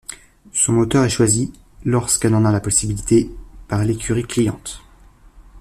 Son moteur est choisi, lorsqu'elle en a la possibilité, par l'écurie cliente.